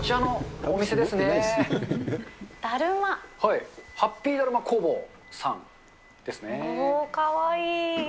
おー、かわいい。